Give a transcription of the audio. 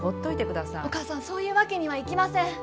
お母さんそういうわけにはいきません。